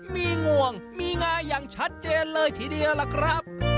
มีงวงมีงาอย่างชัดเจนเลยทีเดียวล่ะครับ